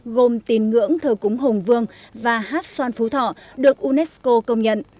gồm tín ngưỡng thờ cúng hùng vương và hát xoan phú thọ được unesco công nhận